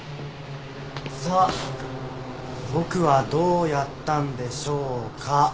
さあ僕はどうやったんでしょうか？